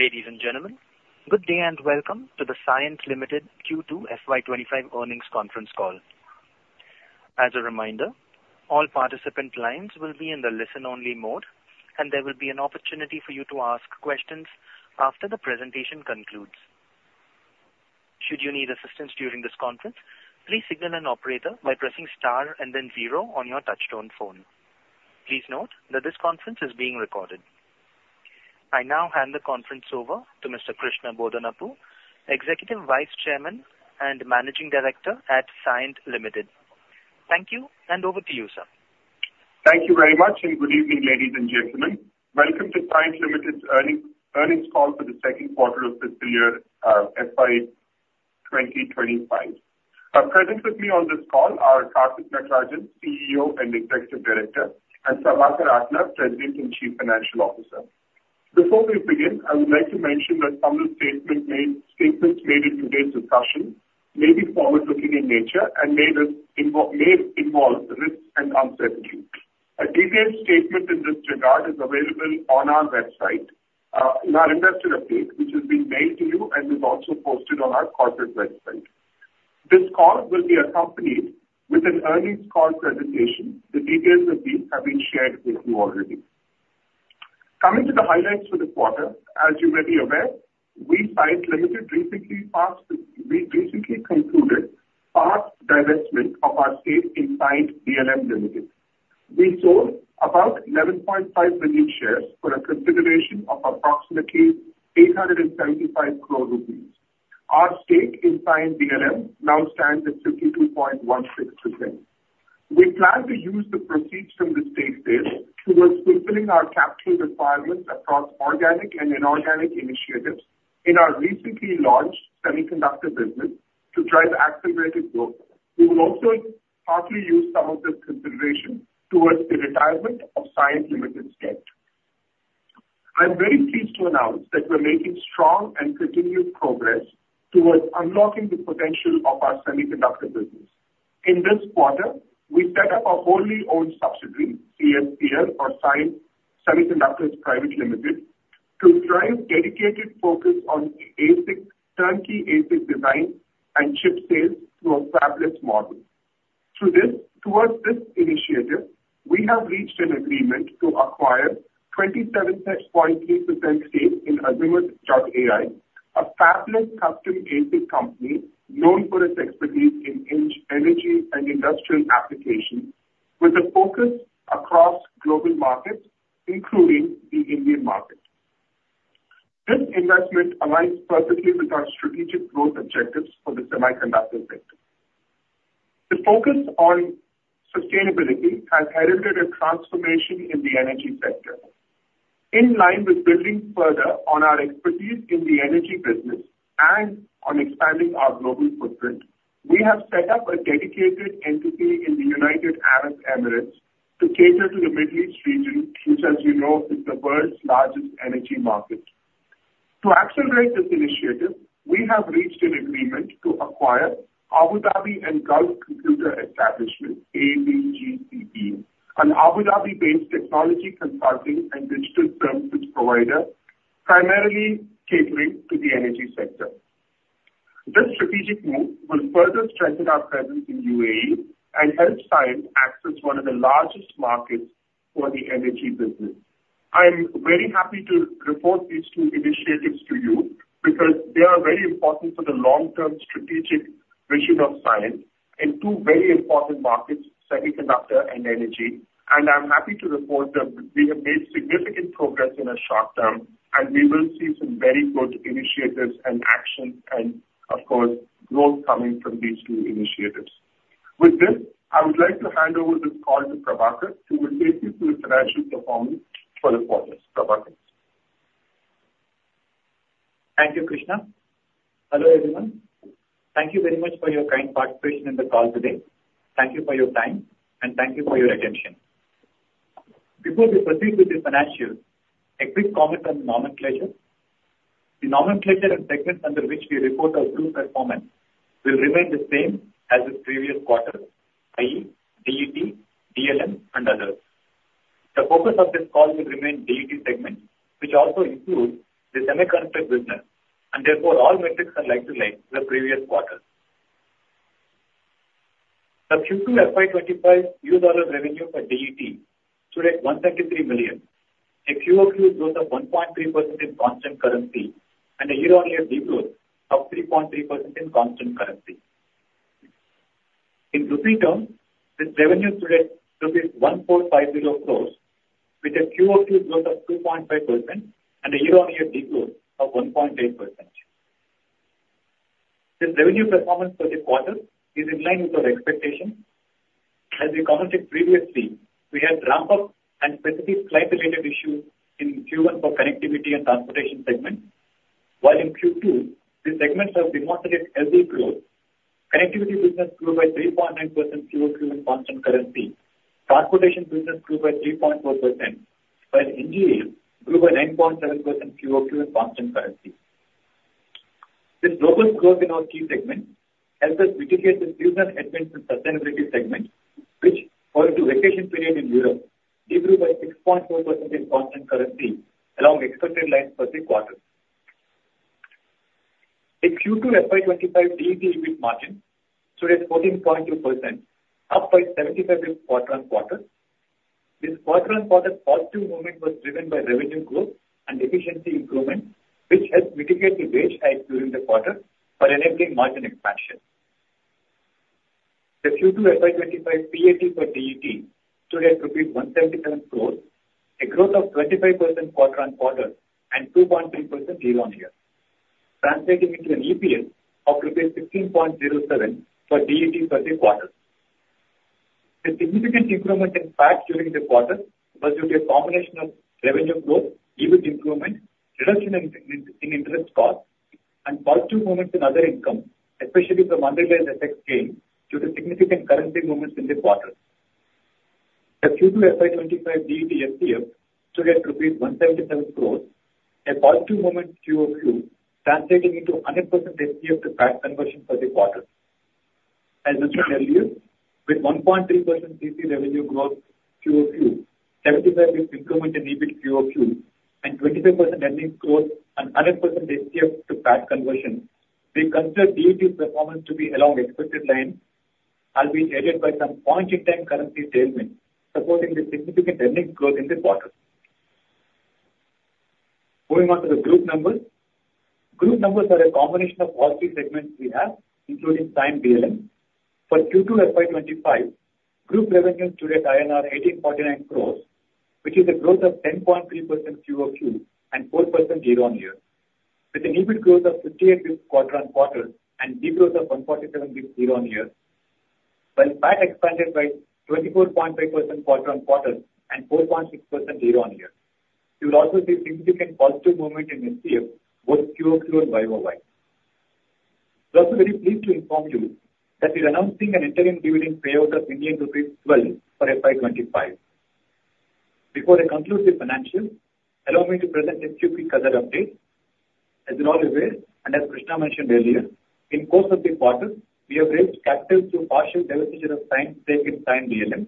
Ladies and gentlemen, good day, and welcome to the Cyient Limited Q2 FY 2025 earnings conference call. As a reminder, all participant lines will be in the listen-only mode, and there will be an opportunity for you to ask questions after the presentation concludes. Should you need assistance during this conference, please signal an operator by pressing star and then zero on your touchtone phone. Please note that this conference is being recorded. I now hand the conference over to Mr. Krishna Bodanapu, Executive Vice Chairman and Managing Director at Cyient Limited. Thank you, and over to you, sir. Thank you very much, and good evening, ladies and gentlemen. Welcome to Cyient Limited's earnings call for the second quarter of fiscal year FY twenty-twenty-five. Present with me on this call are Karthik Natarajan, CEO and Executive Director, and Prabhakar Atla, President and Chief Financial Officer. Before we begin, I would like to mention that some of the statements made in today's discussion may be forward-looking in nature and may involve risks and uncertainties. A detailed statement in this regard is available on our website in our investor update, which has been mailed to you and is also posted on our corporate website. This call will be accompanied with an earnings call presentation. The details of these have been shared with you already. Coming to the highlights for the quarter, as you may be aware, we Cyient Limited recently passed... We basically concluded partial divestment of our stake in Cyient DLM Limited. We sold about 11.5 million shares for a consideration of approximately 875 crore rupees. Our stake in Cyient DLM now stands at 52.16%. We plan to use the proceeds from this stake sale towards fulfilling our capital requirements across organic and inorganic initiatives in our recently launched semiconductor business to drive accelerated growth. We will also partly use some of this consideration towards the retirement of Cyient Limited's debt. I'm very pleased to announce that we're making strong and continuous progress towards unlocking the potential of our semiconductor business. In this quarter, we set up a wholly owned subsidiary, CSPL, or Cyient Semiconductors Private Limited, to drive dedicated focus on ASIC, turnkey ASIC design and chip sales through a fabless model. Through this, towards this initiative, we have reached an agreement to acquire 27.3% stake in Azimuth AI, a fabless custom ASIC company known for its expertise in energy and industrial applications, with a focus across global markets, including the Indian market. This investment aligns perfectly with our strategic growth objectives for the semiconductor sector. The focus on sustainability has heralded a transformation in the energy sector. In line with building further on our expertise in the energy business and on expanding our global footprint, we have set up a dedicated entity in the United Arab Emirates to cater to the Middle East region, which, as you know, is the world's largest energy market. To accelerate this initiative, we have reached an agreement to acquire Abu Dhabi and Gulf Computer Establishment, ADGCE, an Abu Dhabi-based technology consulting and digital services provider, primarily catering to the energy sector. This strategic move will further strengthen our presence in UAE and help Cyient access one of the largest markets for the energy business. I'm very happy to report these two initiatives to you because they are very important for the long-term strategic vision of Cyient in two very important markets, semiconductor and energy. And I'm happy to report that we have made significant progress in a short term, and we will see some very good initiatives and action and, of course, growth coming from these two initiatives. With this, I would like to hand over this call to Prabhakar, who will take you through the financial performance for the quarter. Prabhakar? Thank you, Krishna. Hello, everyone. Thank you very much for your kind participation in the call today. Thank you for your time, and thank you for your attention. Before we proceed with the financials, a quick comment on nomenclature. The nomenclature and segments under which we report our group performance will remain the same as the previous quarter, i.e., DET, DLM, and others. The focus of this call will remain DET segment, which also includes the semiconductor business, and therefore, all metrics are like to like the previous quarter. The Q2 FY 2025 U.S. dollar revenue for DET stood at $133 million, a QoQ growth of 1.3% in constant currency and a year-on-year degrowth of 3.3% in constant currency. In rupee terms, this revenue stood at 1,450 crore, with a QoQ growth of 2.5% and a year-on-year degrowth of 1.8%. This revenue performance for this quarter is in line with our expectations. As we commented previously, we had ramp-up and specific client-related issues in Q1 for connectivity and transportation segment, while in Q2, the segments have demonstrated healthy growth. Connectivity business grew by 3.9% QoQ in constant currency. Transportation business grew by 3.4%, while engineering grew by 9.7% QoQ in constant currency. This global growth in our key segment helped us mitigate the seasonal headwinds in sustainability segment, which, owing to vacation period in Europe, de-grew by 6.4% in constant currency along expected lines for the quarter. In Q2 FY 2025, DET EBIT margin stood at 14.2%, up by 75 basis points quarter on quarter. This quarter on quarter positive movement was driven by revenue growth and efficiency improvement, which helped mitigate the wage hike during the quarter by enabling margin expansion. The Q2 FY 2025 PAT for DET stood at 177 crores, a growth of 25% quarter on quarter and 2.3% year on year, translating into an EPS of 16.07 for DET for the quarter. The significant improvement in PAT during the quarter was due to a combination of revenue growth, EBIT improvement, reduction in interest cost, and positive movements in other income, especially from undervalued FX gain, due to significant currency movements in this quarter. The Q2 FY 2025 DET FCF stood at rupees 177 crore, a positive movement QoQ, translating into 100% FCF to PAT conversion for the quarter. As mentioned earlier, with 1.3% CC revenue growth QoQ, 75 basis points improvement in EBIT QoQ, and 25% earnings growth and 100% FCF to PAT conversion, we consider DET performance to be along expected lines and we are aided by some one-time currency tailwind, supporting the significant earnings growth in this quarter. Moving on to the group numbers. Group numbers are a combination of all three segments we have, including Cyient DLM. For Q2 FY 2025, group revenue stood at INR 1,849 crores, which is a growth of 10.3% QOQ and 4% year on year, with an EBIT growth of 58 basis points quarter on quarter and de-growth of 147 basis points year on year, while PAT expanded by 24.5% quarter on quarter and 4.6% year on year. You will also see significant positive movement in FCF, both QoQ and YoY. We're also very pleased to inform you that we're announcing an interim dividend payout of Indian rupees 12 for FY 2025. Before I conclude the financials, allow me to present a quick other update. As you all aware, and as Krishna mentioned earlier, in course of this quarter, we have raised capital through partial divestiture of Cyient stake in Cyient DLM.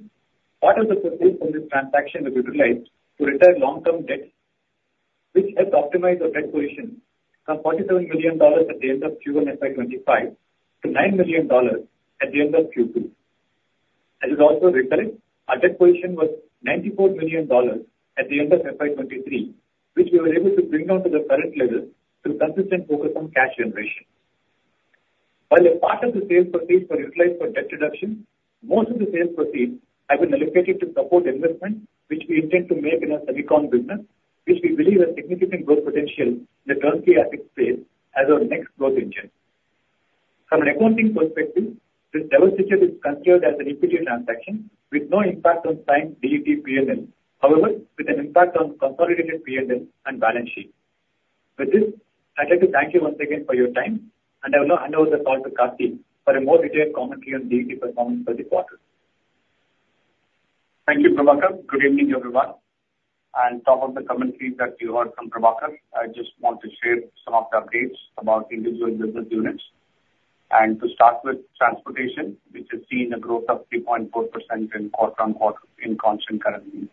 Part of the proceeds from this transaction were utilized to retire long-term debt, which helped optimize our debt position from $47 million at the end of Q1 FY 2025 to $9 million at the end of Q2. As you'll also recall, our debt position was $94 million at the end of FY 2023, which we were able to bring down to the current level through consistent focus on cash generation. While a part of the sales proceeds were utilized for debt reduction, most of the sales proceeds have been allocated to support investment, which we intend to make in our Semiconductor business, which we believe has significant growth potential in the current asset space as our next growth engine. From an accounting perspective, this divestiture is considered as an equity transaction with no impact on Cyient DET P&L. However, with an impact on consolidated PNL and balance sheet. With this, I'd like to thank you once again for your time, and I will now hand over the call to Karthik for a more detailed commentary on DET performance for the quarter. Thank you, Prabhakar. Good evening, everyone. On top of the commentary that you heard from Prabhakar, I just want to share some of the updates about individual business units. To start with transportation, which has seen a growth of 3.4% in quarter on quarter in constant currency,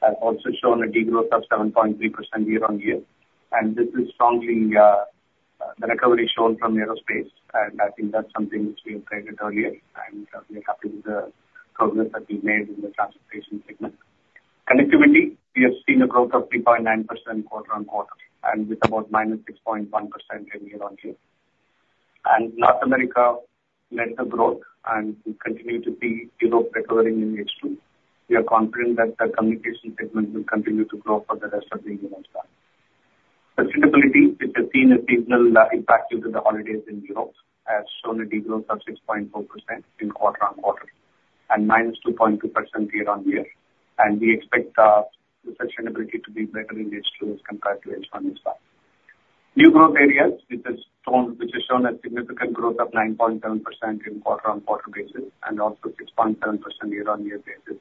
has also shown a de-growth of 7.3% year on year. This is strongly the recovery shown from aerospace, and I think that's something which we have stated earlier, and we are happy with the progress that we made in the transportation segment. Connectivity, we have seen a growth of 3.9% quarter on quarter, and with about minus 6.1% in year on year. North America led the growth, and we continue to see Europe recovering in H2. We are confident that the communication segment will continue to grow for the rest of the year as well. Sustainability, which has seen a seasonal impact due to the holidays in Europe, has shown a de-growth of 6.4% in quarter on quarter and -2.2% year on year. We expect the sustainability to be better in H2 as compared to H1 as well. New growth areas, which has shown a significant growth of 9.7% in quarter on quarter basis and also 6.7% year on year basis.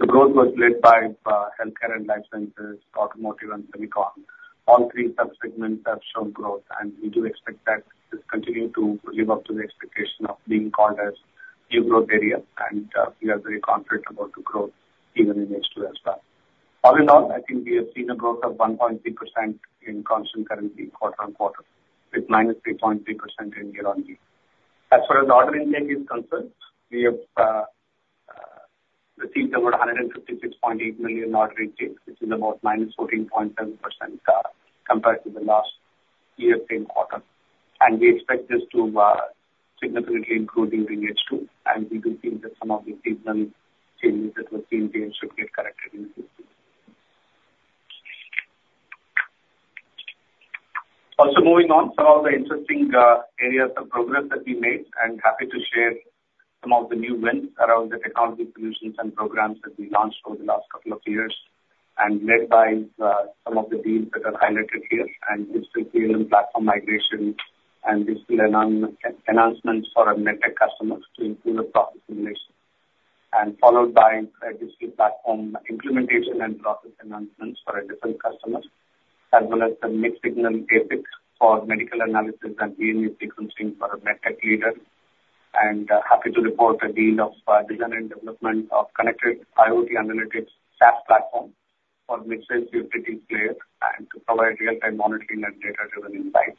The growth was led by healthcare and life sciences, automotive, and semiconductor. All three sub-segments have shown growth, and we do expect that this continue to live up to the expectation of being called as new growth area, and, we are very confident about the growth even in H2 as well. All in all, I think we have seen a growth of 1.3% in constant currency, quarter on quarter, with -3.3% in year on year. As far as the order intake is concerned, we have, received about $156.8 million order intake, which is about -14.7%, compared to the last year same quarter. And we expect this to, significantly improve during H2. And we do think that some of the seasonal changes that were seen there should get corrected in H2. Also, moving on to all the interesting areas of progress that we made, I'm happy to share some of the new wins around the technology solutions and programs that we launched over the last couple of years, and led by some of the deals that are highlighted here. And this is DLM platform migration, and this is an announcement for our MedTech customers to improve the process simulation, and followed by a digital platform implementation and process enhancements for a different customer, as well as the mixed signal ASIC for medical analysis and DNA sequencing for a MedTech leader. And happy to report a deal of design and development of connected IoT analytics SaaS platform for midsize security player and to provide real-time monitoring and data-driven insights.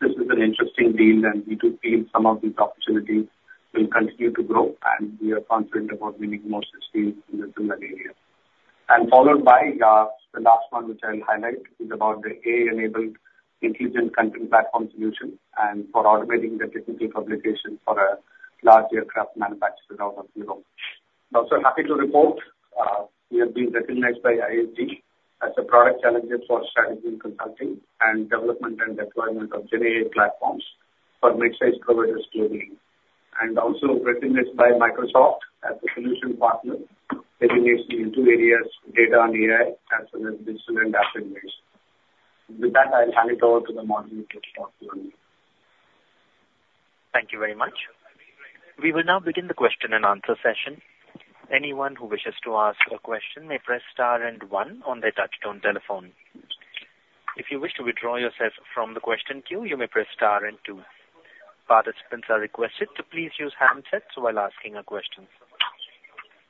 This is an interesting deal, and we do feel some of these opportunities will continue to grow, and we are confident about winning more such deals in the similar area, and followed by the last one, which I'll highlight, is about the AI-enabled intelligent content platform solution and for automating the technical publication for a large aircraft manufacturer out of Europe. Also happy to report, we have been recognized by ISG as a product challenger for strategy and consulting and development and deployment of GenAI platforms for midsize providers globally, and also recognized by Microsoft as a solution partner, recognized in two areas, Data and AI, as well as Digital and App Innovations. With that, I'll hand it over to the moderator to talk to you. Thank you very much. We will now begin the question and answer session. Anyone who wishes to ask a question may press star and one on their touchtone telephone. If you wish to withdraw yourself from the question queue, you may press star and two. Participants are requested to please use handsets while asking a question.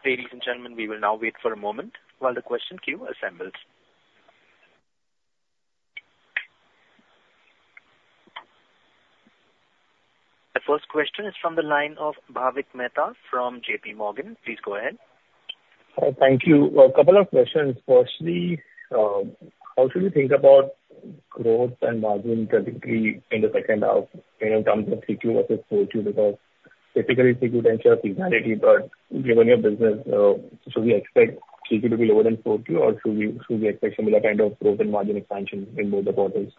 Ladies and gentlemen, we will now wait for a moment while the question queue assembles. The first question is from the line of Bhavik Mehta from J.P. Morgan. Please go ahead. Thank you. A couple of questions. Firstly, how should we think about growth and margin trajectory in the second half in terms of Q3 versus Q4? Because typically, Q3 tends to have seasonality, but given your business, should we expect Q3 to be lower than Q4, or should we expect similar kind of growth and margin expansion in both the quarters?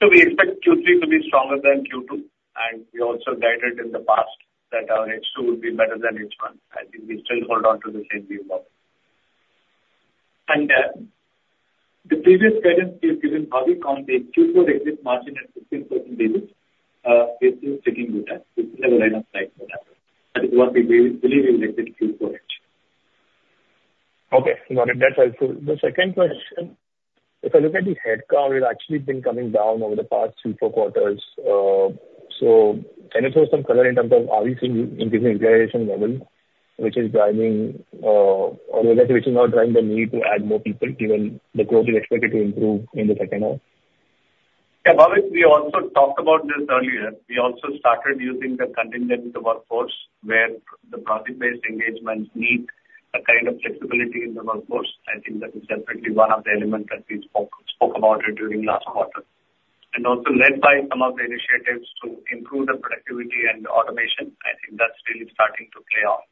So we expect Q3 to be stronger than Q2, and we also guided in the past that our H2 will be better than H1. I think we still hold on to the same view. And, the previous guidance we have given, Bhavik, on the Q4 exit margin at 16% revenue, we're still sticking to that. We still have a line of sight on that. That is what we believe we will exit Q4 H. Okay, got it. That's helpful. The second question: If I look at the headcount, it's actually been coming down over the past three, four quarters. So can you throw some color in terms of, are we seeing an increasing utilization level, which is driving, or whether which is not driving the need to add more people, given the growth is expected to improve in the second half? Yeah, Bhavik, we also talked about this earlier. We also started using the contingent workforce, where the project-based engagements need a kind of flexibility in the workforce. I think that is definitely one of the elements that we spoke about it during last quarter. And also led by some of the initiatives to improve the productivity and automation, I think that's really starting to play out.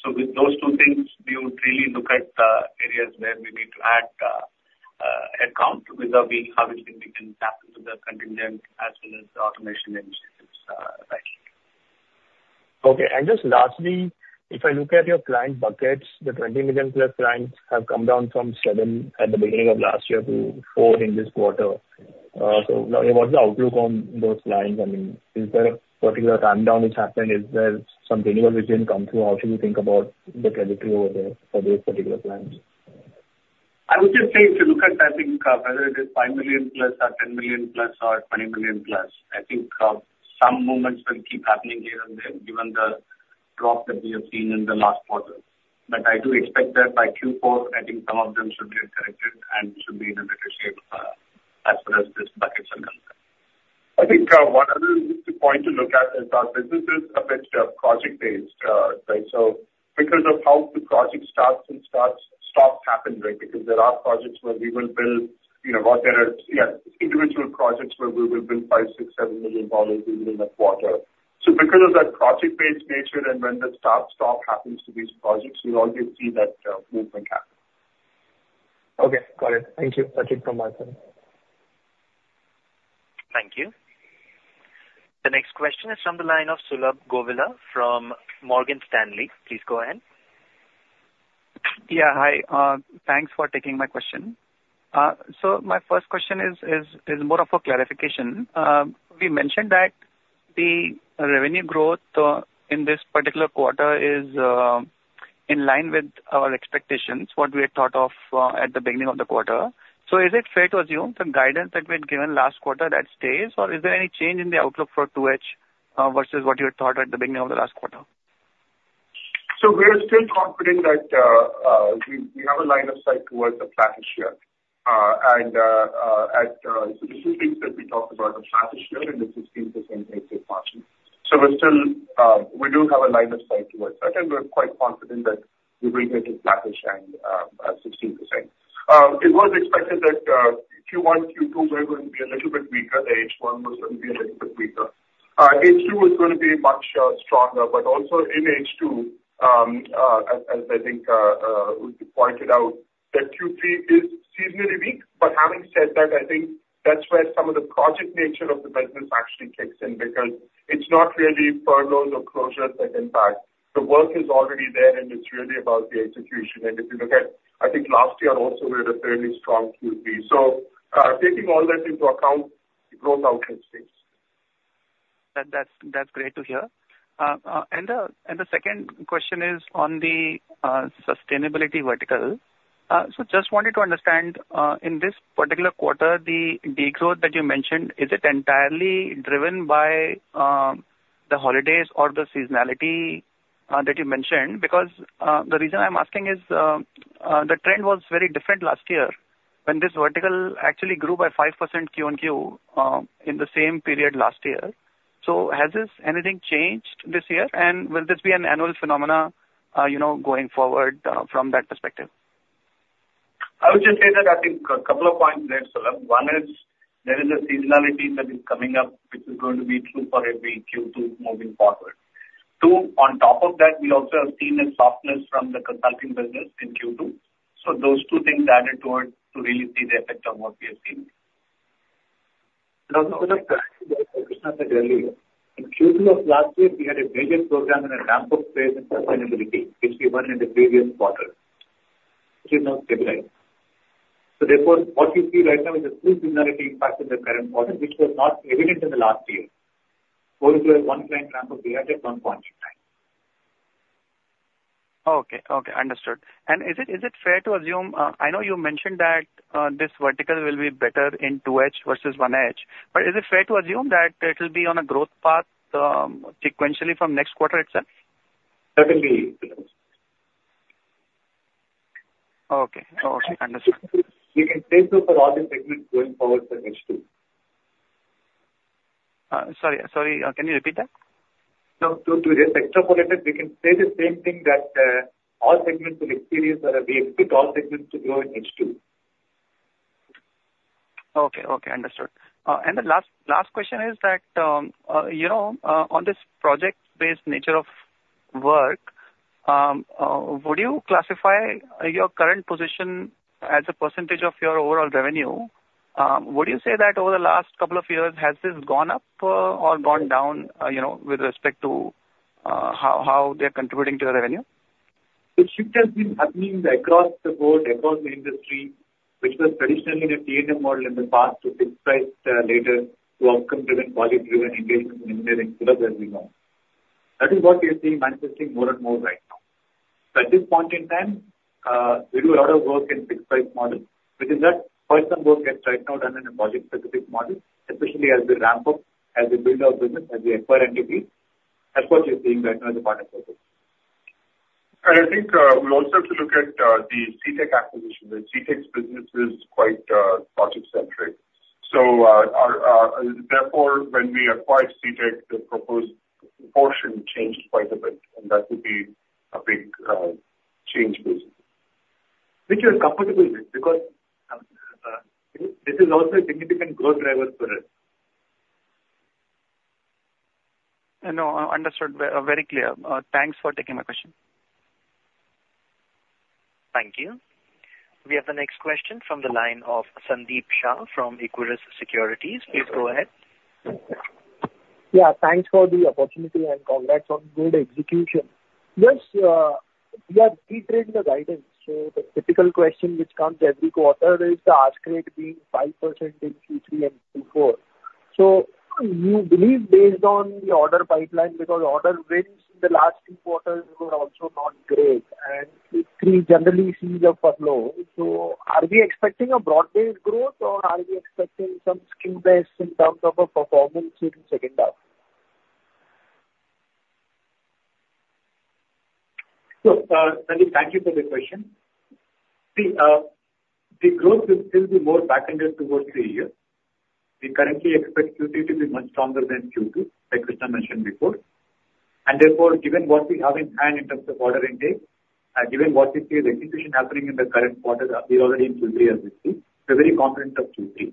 So with those two things, we would really look at areas where we need to add headcount, without we having to tap into the contingent as well as the automation initiatives, right. Okay. And just lastly, if I look at your client buckets, the 20 million plus clients have come down from seven at the beginning of last year to four in this quarter. So now what's the outlook on those clients? I mean, is there a particular rundown which happened? Is there some renewal which didn't come through? How should we think about the trajectory over there for those particular clients? I would just say, if you look at, I think, whether it is five million plus or ten million plus or twenty million plus, I think, some movements will keep happening here and there, given the drop that we have seen in the last quarter. But I do expect that by Q4, I think some of them should get corrected and should be in a better shape, as far as these buckets are concerned. I think, one other point to look at is our business is a bit, project-based, right? So because of how the project starts and stops happen, right? Because there are projects where we will build, you know, individual projects where we will build $5 million, $6 million, $7 million within a quarter. So because of that project-based nature, and when the start, stop happens to these projects, you will always see that movement happen. Okay, got it. Thank you. That's it from my side. Thank you. The next question is from the line of Sulabh Govila from Morgan Stanley. Please go ahead. Yeah, hi. Thanks for taking my question. So my first question is more of a clarification. We mentioned that the revenue growth in this particular quarter is in line with our expectations, what we had thought of at the beginning of the quarter. So is it fair to assume the guidance that we had given last quarter, that stays, or is there any change in the outlook for 2H versus what you had thought at the beginning of the last quarter? So we are still confident that we have a line of sight towards the flattish year. And so the two things that we talked about, the flattish year and the 16% exit margin. So we're still, we do have a line of sight towards that, and we're quite confident that we will get it flattish and at 16%. It was expected that Q1, Q2 were going to be a little bit weaker. The H1 was going to be a little bit weaker. H2 is going to be much stronger, but also in H2, as I think we pointed out, that Q3 is seasonally weak. But having said that, I think that's where some of the project nature of the business actually kicks in, because it's not really furloughs or closures that impact. The work is already there, and it's really about the execution. And if you look at, I think, last year also, we had a fairly strong Q3. So, taking all that into account, the growth outlook stays same. That's great to hear. And the second question is on the sustainability vertical. So just wanted to understand, in this particular quarter, the decline that you mentioned, is it entirely driven by the holidays or the seasonality that you mentioned? Because the reason I'm asking is, the trend was very different last year, when this vertical actually grew by 5% Q on Q, in the same period last year. So has this anything changed this year? And will this be an annual phenomena, you know, going forward, from that perspective? I would just say that I think a couple of points there, Sulabh. One is, there is a seasonality that is coming up, which is going to be true for every Q2 moving forward. Two, on top of that, we also have seen a softness from the consulting business in Q2. So those two things added towards to really see the effect on what we are seeing. And also, what Krishna said earlier, in Q2 of last year, we had a major program and a ramp-up phase in sustainability, which we won in the previous quarter, which is now stabilized. So therefore, what you see right now is a true seasonality impact in the current quarter, which was not evident in the last year, owing to a one-time ramp-up we had at one point in time. Okay. Okay, understood. And is it fair to assume? I know you mentioned that this vertical will be better in Q2 versus Q1, but is it fair to assume that it'll be on a growth path, sequentially from next quarter itself? That will be, yes. Okay. Okay, understood. We can say so for all the segments going forward for H2. Sorry, can you repeat that? No, to extrapolate it, we can say the same thing that all segments will experience or we expect all segments to grow in H2. Okay. Okay, understood, and the last question is that, you know, on this project-based nature of work, would you classify your current position as a percentage of your overall revenue? Would you say that over the last couple of years, has this gone up, or gone down, you know, with respect to how they're contributing to your revenue? The shift has been happening across the board, across the industry, which was traditionally in a T&M model in the past to fixed price, later, to outcome-driven, quality-driven engagements and delivery as we know. That is what we are seeing manifesting more and more right now. So at this point in time, we do a lot of work in fixed price model, which is that parts of work gets right now done in a project-specific model, especially as we ramp up, as we build our business, as we acquire entities. That's what you're seeing right now as a part of it. And I think, we also have to look at the Citec acquisition. The Citec's business is quite project-centric. So, our therefore, when we acquired Citec, the proposed proportion changed quite a bit, and that would be a big change basically. Which we are comfortable with, because, this is also a significant growth driver for us. No, understood. Very clear. Thanks for taking my question. Thank you. We have the next question from the line of Sandeep Shah from Equirus Securities. Please go ahead. Yeah, thanks for the opportunity, and congrats on good execution. Yes, we are reiterating the guidance. So the typical question which comes every quarter is the growth rate being 5% in Q3 and Q4. So you believe based on the order pipeline, because order wins in the last two quarters were also not great, and Q3 generally sees a low. So are we expecting a broad-based growth, or are we expecting some sector-based performance in the second half? So, Sandeep, thank you for the question. See, the growth will still be more back-ended towards the year. We currently expect Q3 to be much stronger than Q2, like Krishna mentioned before. And therefore, given what we have in hand in terms of order intake, given what we see as execution happening in the current quarter, we're already in Q3 as we see, we're very confident of Q3.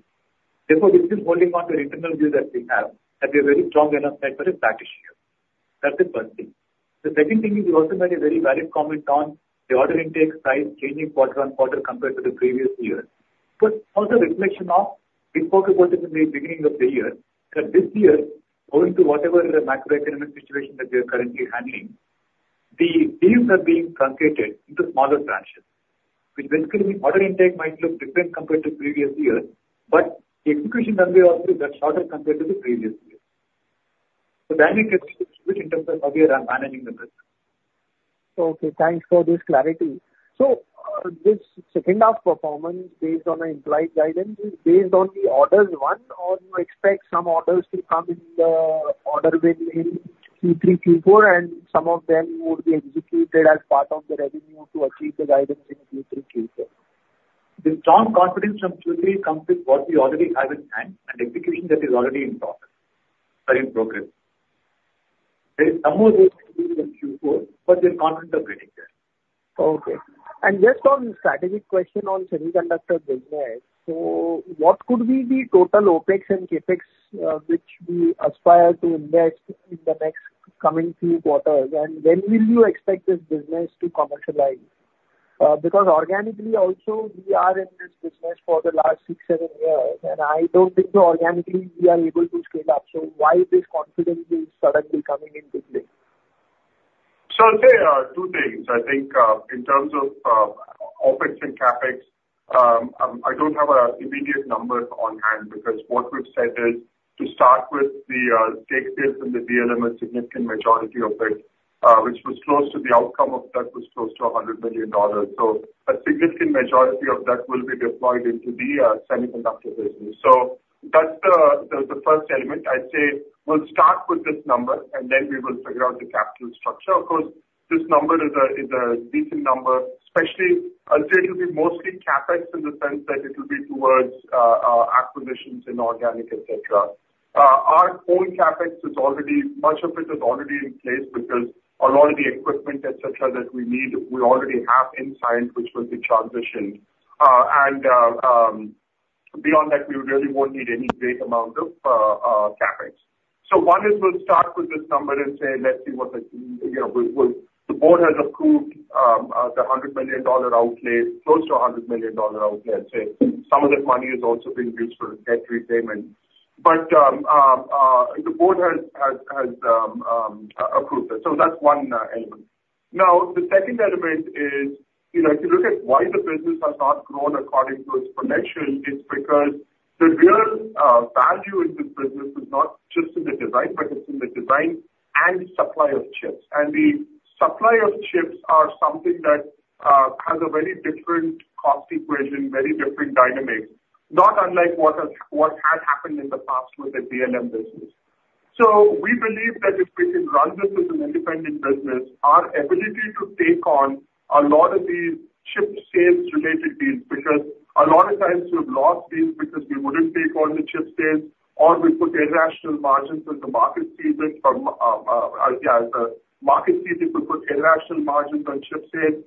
Therefore, we're still holding on to the internal view that we have, that we have very strong enough for a package here. That's the first thing. The second thing is, you also made a very valid comment on the order intake size changing quarter on quarter compared to the previous year. But also a reflection of, we spoke about it in the beginning of the year, that this year, owing to whatever macroeconomic situation that we are currently handling, the deals are being truncated into smaller tranches, which basically means order intake might look different compared to previous year, but the execution time may also be shorter compared to the previous year. So dynamic in terms of how we are managing the risk. Okay, thanks for this clarity. So, this second half performance based on the implied guidance, is based on the orders won, or you expect some orders to come in the order win in Q3, Q4, and some of them would be executed as part of the revenue to achieve the guidance in Q3, Q4? The strong confidence from Q3 comes with what we already have in hand, and execution that is already in talk, in progress. There is some more work to do in Q4, but we're confident of getting there. Okay. And just on strategic question on semiconductor business. So what could be the total OpEx and CapEx, which we aspire to invest in the next coming few quarters? And when will you expect this business to commercialize? Because organically also, we are in this business for the last six, seven years, and I don't think organically we are able to scale up. So why this confidence is suddenly coming into play?... So I'll say two things. I think in terms of OpEx and CapEx, I don't have immediate numbers on hand, because what we've said is to start with the take this from the DLM, a significant majority of it, which was close to the outcome of that, was close to $100 million. So a significant majority of that will be deployed into the semiconductor business. So that's the first element. I'd say we'll start with this number, and then we will figure out the capital structure. Of course, this number is a decent number, especially I'll say it'll be mostly CapEx in the sense that it'll be towards acquisitions and organic, et cetera. Our own CapEx is already... Much of it is already in place because a lot of the equipment, et cetera, that we need, we already have in Cyient, which will be transitioned. And beyond that, we really won't need any great amount of CapEx. So one is we'll start with this number and say, "Let's see what the," you know. The board has approved the $100 million outlay, close to a $100 million outlay, I'd say. Some of this money is also being used for debt repayment. But the board has approved it. So that's one element. Now, the second element is, you know, if you look at why the business has not grown according to its potential, it's because the real value in this business is not just in the design, but it's in the design and supply of chips. And the supply of chips are something that has a very different cost equation, very different dynamics, not unlike what has happened in the past with the DLM business. So we believe that if we can run this as an independent business, our ability to take on a lot of these chip sales related deals, because a lot of times we've lost deals because we wouldn't take on the chip sales, or we put irrational margins when the market sees it from, the market sees it, we put irrational margins on chip sales.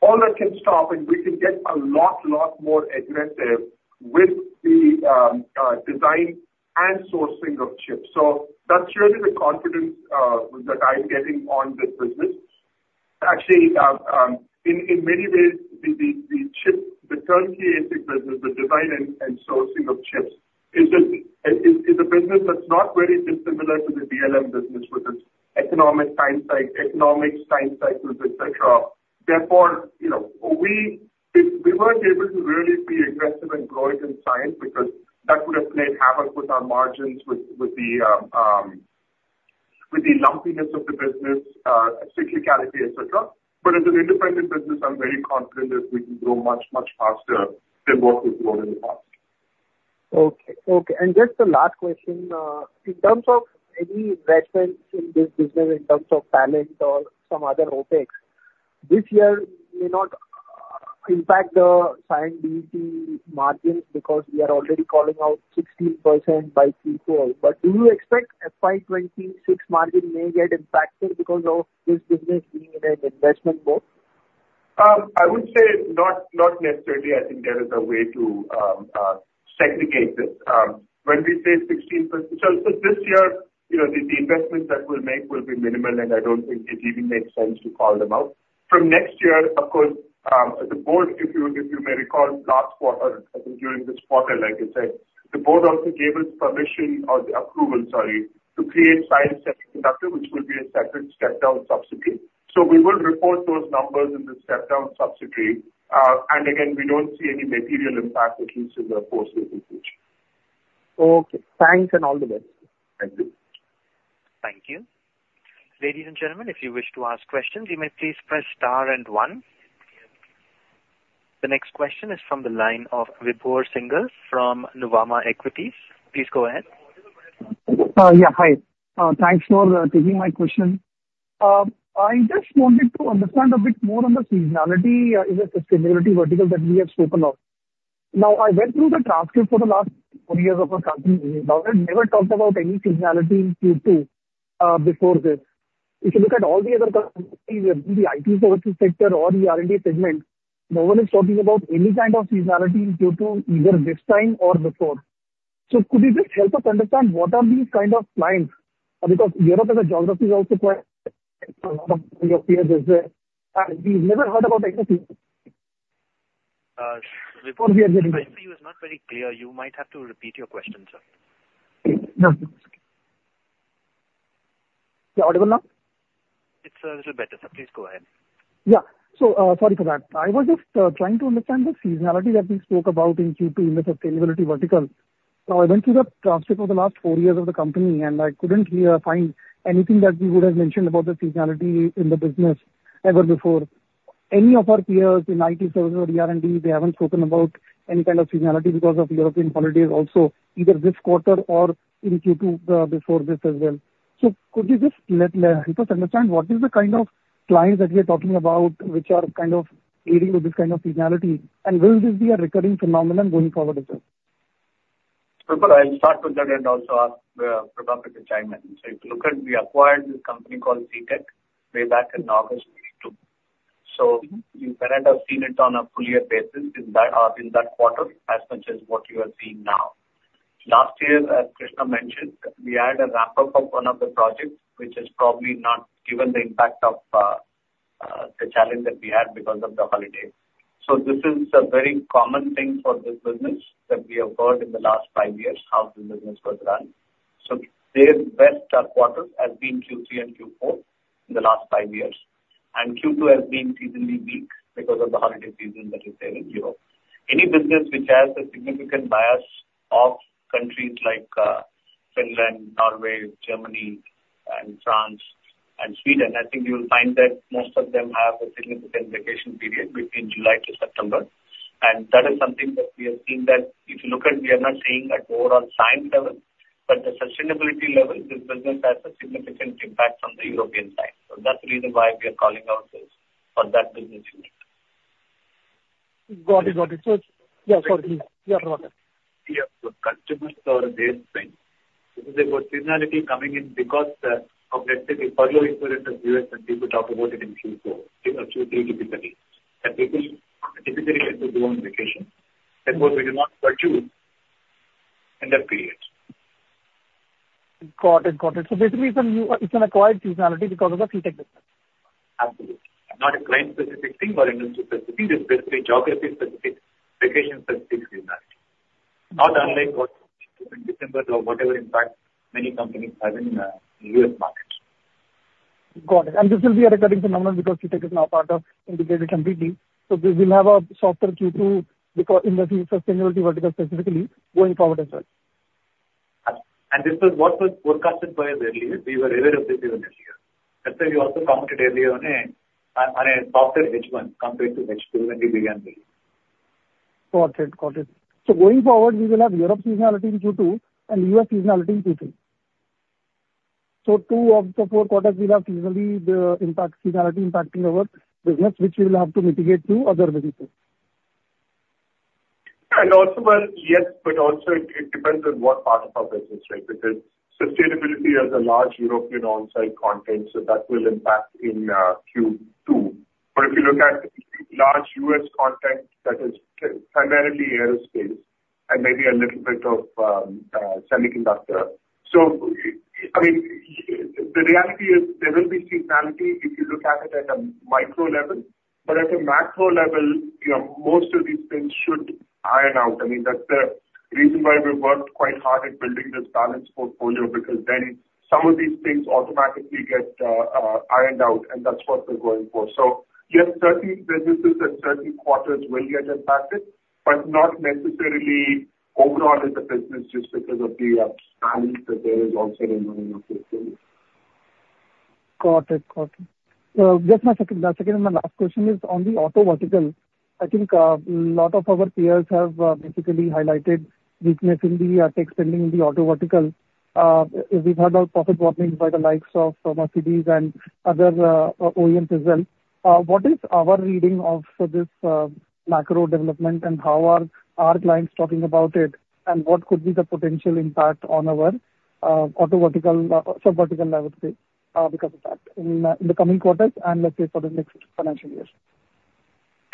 All that can stop, and we can get a lot more aggressive with the design and sourcing of chips. So that's really the confidence that I'm getting on this business. Actually, in many ways, the chip, the turnkey ASIC business, the design and sourcing of chips is a business that's not very dissimilar to the DLM business with its economic time cycles, etc. Therefore, you know, we weren't able to really be aggressive and grow it in Cyient because that would have played havoc with our margins, with the lumpiness of the business, cyclicality, etc. But as an independent business, I'm very confident that we can grow much faster than what we've grown in the past. Okay. Okay, and just the last question. In terms of any investments in this business, in terms of talent or some other OpEx, this year may not impact the Cyient EBIT margins, because we are already calling out 16% by Q4. But do you expect FY 2026 margin may get impacted because of this business being in an investment mode? I would say not necessarily. I think there is a way to segregate this. When we say 16%... This year, you know, the investments that we'll make will be minimal, and I don't think it even makes sense to call them out. From next year, of course, the board, if you may recall, last quarter, I think during this quarter, like I said, the board also gave us permission or the approval, sorry, to create Cyient Semiconductors, which will be a separate step-down subsidiary. We will report those numbers in the step-down subsidiary. Again, we don't see any material impact, at least in the foreseeable future. Okay, thanks, and all the best. Thank you. Thank you. Ladies and gentlemen, if you wish to ask questions, you may please press star and one. The next question is from the line of Vibhor Singhal from Nuvama Equities. Please go ahead. Yeah, hi. Thanks for taking my question. I just wanted to understand a bit more on the seasonality in the sustainability vertical that we have spoken of. Now, I went through the transcript for the last four years of our company. No one ever talked about any seasonality in Q2 before this. If you look at all the other companies, be it the IT services sector or the R&D segment, no one is talking about any kind of seasonality in Q2, either this time or before. So could you just help us understand what are these kind of clients? Because Europe as a geography is also quite your peers as well, and we've never heard about anything. Vibhor, the line for you is not very clear. You might have to repeat your question, sir. Yeah. You audible now? It's a little better, sir. Please go ahead. Yeah. So, sorry for that. I was just trying to understand the seasonality that we spoke about in Q2 in the sustainability vertical. Now, I went through the transcript of the last four years of the company, and I couldn't find anything that we would have mentioned about the seasonality in the business ever before. Any of our peers in IT services or R&D, they haven't spoken about any kind of seasonality because of European holidays also, either this quarter or in Q2 before this as well. So could you just help us understand, what is the kind of clients that we are talking about, which are kind of dealing with this kind of seasonality? And will this be a recurring phenomenon going forward as well? Vibhor, I'll start with that and also ask Prabhakar to chime in. So if you look at, we acquired this company called Citec way back in August 2022. So you might have seen it on a full year basis in that quarter, as much as what you are seeing now. Last year, as Krishna mentioned, we had a ramp-up of one of the projects, which is probably not given the impact of,... the challenge that we had because of the holiday. So this is a very common thing for this business that we have heard in the last five years, how this business was run. So their best quarters has been Q3 and Q4 in the last five years, and Q2 has been seasonally weak because of the holiday season that is there in Europe. Any business which has a significant bias of countries like Finland, Norway, Germany, and France, and Sweden, I think you'll find that most of them have a significant vacation period between July to September. And that is something that we have seen that if you look at, we are not seeing at overall segment level, but the sustainability level, this business has a significant impact on the European side. So that's the reason why we are calling out this for that business unit. Got it. Got it. So, yeah, sorry. You're welcome. We have good customers for their strength. This is a seasonality coming in because, of let's say, the earlier influence of U.S., and we will talk about it in Q4, in Q3 typically. That people typically have to go on vacation, therefore we do not pursue in that period. Got it. Got it. So basically, it's an, it's an acquired seasonality because of the Citec business? Absolutely. Not a client-specific thing or industry-specific, it's basically geography-specific, vacation-specific seasonality. Not unlike what in December or whatever impact many companies have in the U.S. market. Got it. And this will be a recurring phenomenon because Citec is now part of integrated completely. So we will have a softer Q2 because in the sustainability vertical specifically going forward as well. This is what was forecasted by us earlier. We were aware of this even last year. That's why we also commented earlier on a softer H1 compared to H2 when we began this. Got it. Got it. So going forward, we will have Europe seasonality in Q2 and U.S. seasonality in Q3. So two of the four quarters will have seasonally the impact, seasonality impacting our business, which we will have to mitigate through other methods. And also, yes, but also it depends on what part of our business, right? Because sustainability has a large European on-site content, so that will impact in Q2. But if you look at large U.S. content, that is primarily aerospace and maybe a little bit of semiconductor. So, I mean, the reality is there will be seasonality if you look at it at a micro level, but at a macro level, you know, most of these things should iron out. I mean, that's the reason why we've worked quite hard at building this balanced portfolio, because then some of these things automatically get ironed out, and that's what we're going for. So yes, certain businesses and certain quarters will get impacted, but not necessarily overall in the business just because of the challenge that there is also in the business. Got it. Just my second and my last question is on the auto vertical. I think, a lot of our peers have basically highlighted weakness in the tech spending in the auto vertical. We've heard of profit warnings by the likes of Mercedes and other OEMs as well. What is our reading of this macro development, and how are our clients talking about it? And what could be the potential impact on our auto vertical, subvertical, I would say, because of that in the coming quarters and let's say, for the next financial year?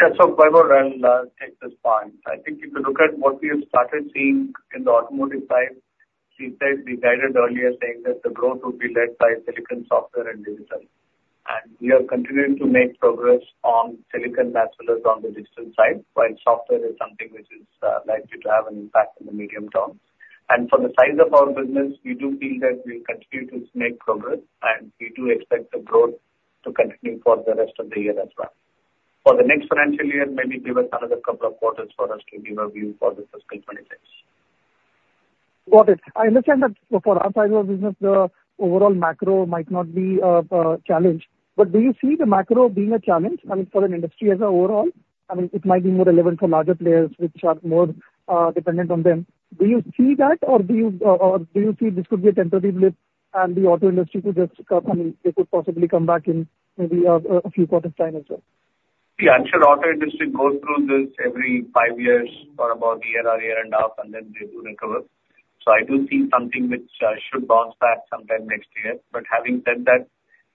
Yeah. So Vibhor, I'll take this part. I think if you look at what we have started seeing in the automotive side, we said, we guided earlier saying that the growth will be led by silicon, software, and digital. And we are continuing to make progress on silicon as well as on the digital side, while software is something which is likely to have an impact in the medium term. And for the size of our business, we do feel that we'll continue to make progress, and we do expect the growth to continue for the rest of the year as well. For the next financial year, maybe give us another couple of quarters for us to give our view for the fiscal twenty-six. Got it. I understand that for our size of business, the overall macro might not be challenged. But do you see the macro being a challenge, I mean, for an industry as overall? I mean, it might be more relevant for larger players which are more dependent on them. Do you see that, or do you see this could be a temporary blip and the auto industry could just come, they could possibly come back in maybe a few quarters time as well? The actual auto industry goes through this every five years or about a year or a year and a half, and then they do recover. So I do see something which, should bounce back sometime next year. But having said that,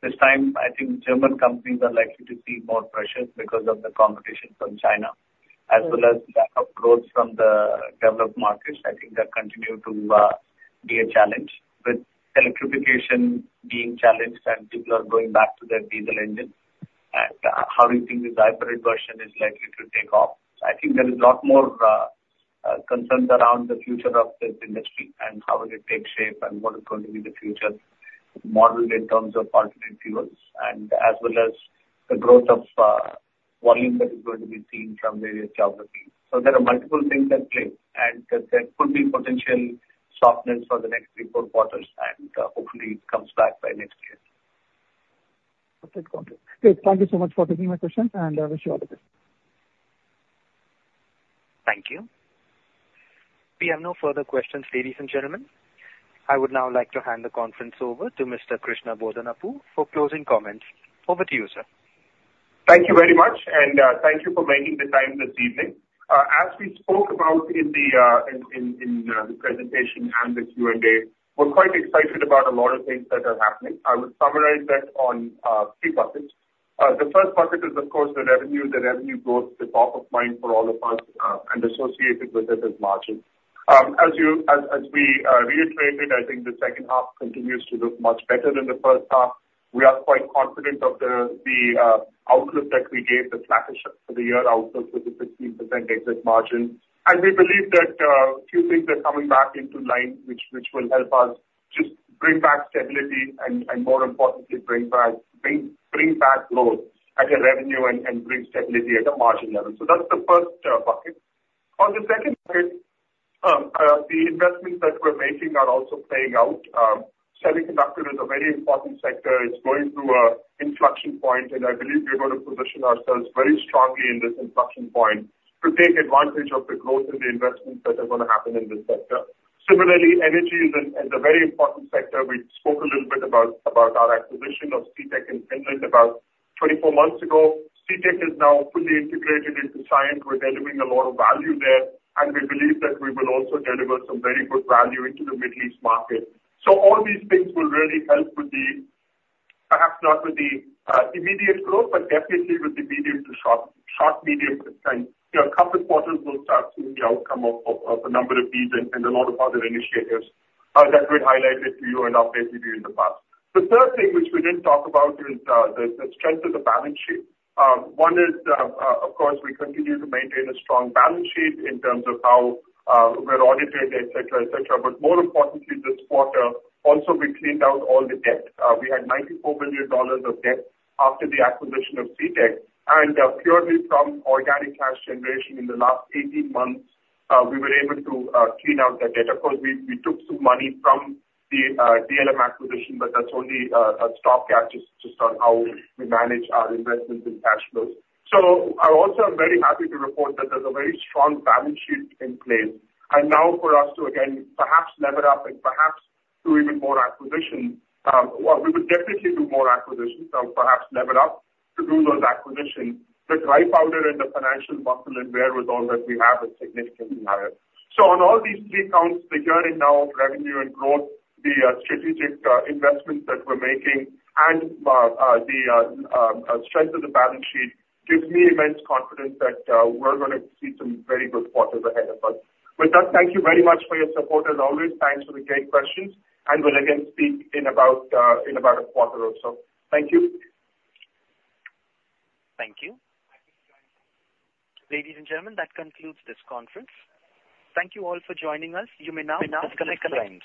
this time, I think German companies are likely to see more pressures because of the competition from China, as well as lack of growth from the developed markets. I think that continue to, be a challenge, with electrification being challenged and people are going back to their diesel engine. And, how do you think this hybrid version is likely to take off? I think there is a lot more concerns around the future of this industry and how will it take shape and what is going to be the future model in terms of alternative fuels and as well as the growth of volume that is going to be seen from various geographies. So there are multiple things at play, and there could be potential softness for the next three, four quarters, and hopefully it comes back by next year. Okay, got it. Great, thank you so much for taking my questions, and I wish you all the best. Thank you. We have no further questions, ladies and gentlemen. I would now like to hand the conference over to Mr. Krishna Bodanapu for closing comments. Over to you, sir. Thank you very much, and thank you for making the time this evening. As we spoke about in the presentation and the Q&A, we're quite excited about a lot of things that are happening. I would summarize that on three buckets. The first bucket is, of course, the revenue. The revenue growth is top of mind for all of us, and associated with it is margin. As we reiterated, I think the second half continues to look much better than the first half. We are quite confident of the outlook that we gave, the flattish for the year outlook, with the 15% exit margin. We believe that a few things are coming back into line, which will help us just bring back stability and, and more importantly, bring back growth as revenue and, and bring stability at the margin level. So that's the first bucket. On the second piece, the investments that we're making are also playing out. Semiconductor is a very important sector. It's going through an inflection point, and I believe we're going to position ourselves very strongly in this inflection point to take advantage of the growth in the investments that are going to happen in this sector. Similarly, energy is a very important sector. We spoke a little bit about our acquisition of Citec in England about twenty-four months ago. Citec is now fully integrated into Cyient. We're delivering a lot of value there, and we believe that we will also deliver some very good value into the Middle East market. So all these things will really help with the, perhaps not with the immediate growth, but definitely with the medium to short, medium time. You know, a couple of quarters will start seeing the outcome of a number of these and a lot of other initiatives that we've highlighted to you and updated you in the past. The third thing, which we didn't talk about, is the strength of the balance sheet. One is, of course, we continue to maintain a strong balance sheet in terms of how we're audited, et cetera, et cetera. But more importantly, this quarter also, we cleaned out all the debt. We had $94 billion of debt after the acquisition of Citec. And purely from organic cash generation in the last eighteen months, we were able to clean out that debt. Of course, we took some money from the DLM acquisition, but that's only a stopgap just on how we manage our investments in cash flows. So I also am very happy to report that there's a very strong balance sheet in place. And now for us to, again, perhaps lever up and perhaps do even more acquisitions, well, we will definitely do more acquisitions and perhaps lever up to do those acquisitions. The dry powder and the financial muscle and wherewithal that we have is significantly higher. So on all these three counts, the gearing now of revenue and growth, the strategic investments that we're making and the strength of the balance sheet, gives me immense confidence that we're gonna see some very good quarters ahead of us. With that, thank you very much for your support as always. Thanks for the great questions, and we'll again speak in about a quarter or so. Thank you. Thank you. Ladies and gentlemen, that concludes this conference. Thank you all for joining us. You may now disconnect the line.